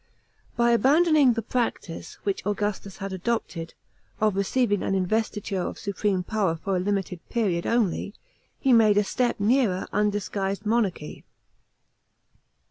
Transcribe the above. By abandoning the practice, which Augustus had adopted, of receiving an investiture of supreme power for a limited period only, he made a step nearer undisguised monarchy.